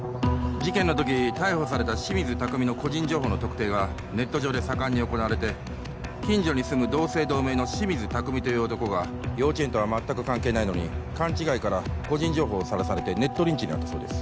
事件の時逮捕された清水拓海の個人情報の特定がネット上で盛んに行われて近所に住む同姓同名の清水拓海という男が幼稚園とは全く関係ないのに勘違いから個人情報をさらされてネットリンチに遭ったそうです